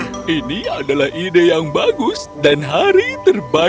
jadi semua orang di kota bersama dengan naga memotong kue ucapan selamat dan berpesta dengan semuanya